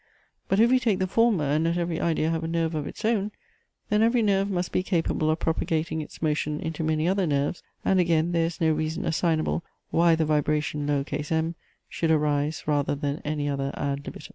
But if we take the former, and let every idea have a nerve of its own, then every nerve must be capable of propagating its motion into many other nerves; and again, there is no reason assignable, why the vibration m should arise, rather than any other ad libitum.